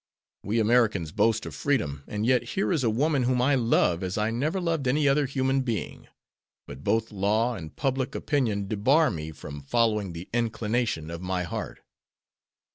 We Americans boast of freedom, and yet here is a woman whom I love as I never loved any other human being, but both law and public opinion debar me from following the inclination of my heart.